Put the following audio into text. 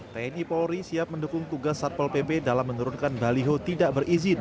tni polri siap mendukung tugas satpol pp dalam menurunkan baliho tidak berizin